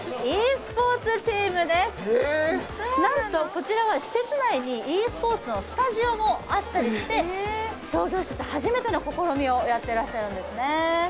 なんとこちらは施設内にｅスポーツのスタジオもあったりして商業施設初めての試みをやってらっしゃるんですね